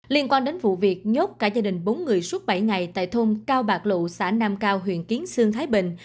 liên quan đến vụ việc nhốt cả gia đình bốn người suốt bảy ngày tại thôn cao bạc lụ xã nam cao huyện kiến sương thái bình